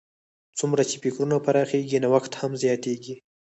څومره چې فکرونه پراخېږي، نوښت هم زیاتیږي.